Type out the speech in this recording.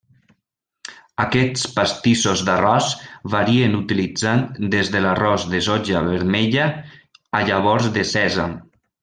Aquests pastissos d'arròs varien utilitzant des de l'arròs de soja vermella a llavors de sèsam.